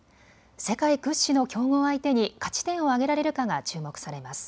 世界屈指の強豪相手に勝ち点を挙げられるかが注目されます。